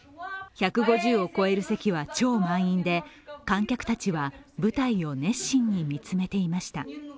１５０を超える席は超満員で観客たちは、舞台を熱心に見つめていました。